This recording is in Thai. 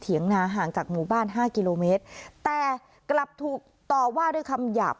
นาห่างจากหมู่บ้านห้ากิโลเมตรแต่กลับถูกต่อว่าด้วยคำหยาบ